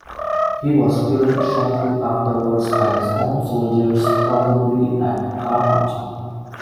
He was killed shortly afterwards by his own soldiers probably at Carnuntum.